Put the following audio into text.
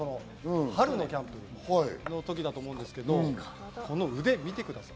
春のキャンプだと思うんですけど、この腕を見てください。